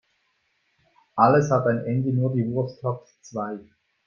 Alles hat ein Ende, nur die Wurst hat zwei.